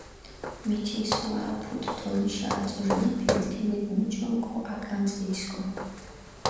მითინს ვა აფუდჷ თოლიშა აწორინაფილი, თენეფი მუჭო ოკო აკანწყიისკონ.